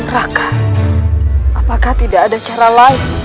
raka apakah tidak ada cara lain